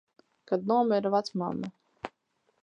Kad nomira vecmamma.